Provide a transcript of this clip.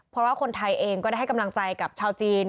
เพราะว่าคนไทยเองก็ได้ให้กำลังใจกับชาวจีน